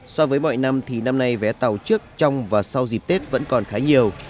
so với mọi năm thì năm nay vé tàu trước trong và sau dịp tết vẫn còn khá nhiều